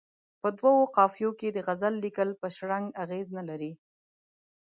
په دوو قافیو کې د غزل لیکل پر شرنګ اغېز نه لري.